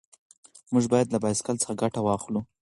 موږ باید له بایسکل څخه ګټه واخلو.